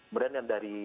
kemudian yang dari